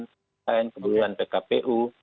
penyelesaian kebutuhan pkpu